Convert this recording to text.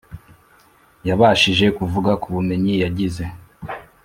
yabashije kuvuga ku bumenyi yagize